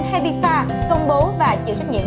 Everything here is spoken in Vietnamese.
habifa công bố và chịu trách nhiệm